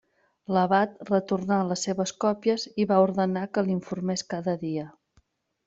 L'abat retornar les seves còpies i va ordenar que l'informés cada dia.